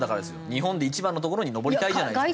日本で一番の所に登りたいじゃないですか。